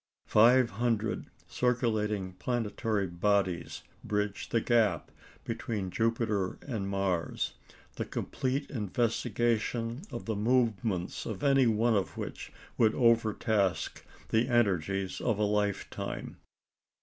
Five hundred circulating planetary bodies bridge the gap between Jupiter and Mars, the complete investigation of the movements of any one of which would overtask the energies of a lifetime.